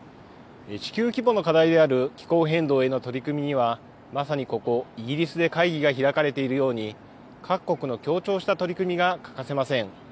地球規模の課題である気候変動への取り組みには、まさにここイギリスで会議が開かれているように、各国の協調した取り組みが欠かせません。